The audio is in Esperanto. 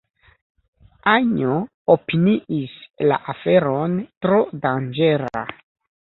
Anjo opiniis la aferon tro danĝera.